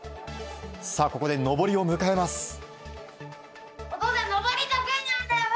ここで上りを迎えます。